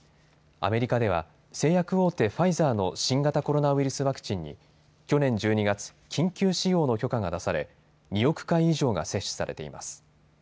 アメリカでは製薬大手ファイザーの新型コロナウイルスワクチンに去年１２月、緊急使用の許可が出され２億回以上が接種されています。